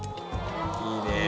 いいね！